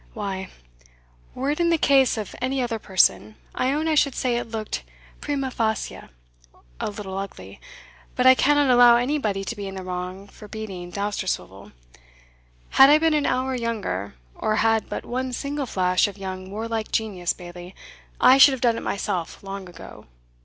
"Why, were it in the case of any other person, I own I should say it looked, prima facie, a little ugly; but I cannot allow anybody to be in the wrong for beating Dousterswivel Had I been an hour younger, or had but one single flash of your warlike genius, Bailie, I should have done it myself long ago.